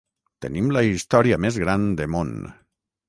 Tenim la història més gran de món.